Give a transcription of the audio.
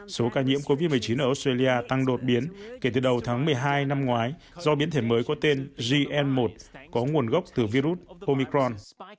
số ca nhiễm covid một mươi chín ở australia tăng đột biến kể từ đầu tháng một mươi hai năm ngoái do biến thể mới có tên jn một có nguồn gốc từ virus homicron